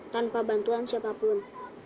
tanpa bantuan siapapun